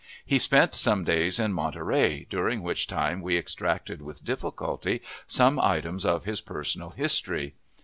He spent some days in Monterey, during which time we extracted with difficulty some items of his personal history.